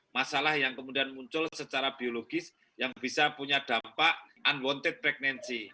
masalah yang kemudian muncul secara biologis yang bisa punya dampak unwanted pregnancy